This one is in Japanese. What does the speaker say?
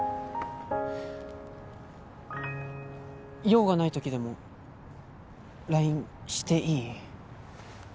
用がないときでもＬＩＮＥしていい？